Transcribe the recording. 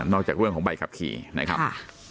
จากเรื่องของใบขับขี่นะครับ